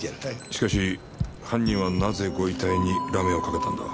しかし犯人はなぜご遺体にラメをかけたんだ？